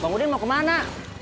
bang udin mau kemana